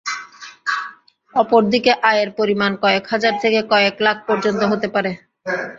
অপরদিকে আয়ের পরিমান কয়েক হাজার থেকে কয়েক লাখ পর্যন্ত হতে পারে।